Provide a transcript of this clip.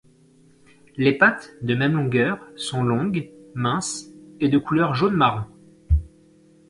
Les pattes, de même longueur, sont longues, minces et de couleur jaune-marron.